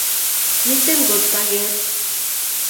Miten goot paket